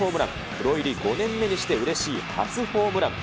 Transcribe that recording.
プロ入り５年目にしてうれしい初ホームラン。